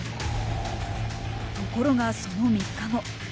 ところがその３日後。